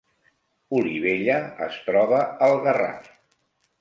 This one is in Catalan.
Olivella es troba al Garraf